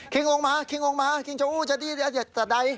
คิงลงมาคิงลงมาคิงจะอู้จะดีจะได้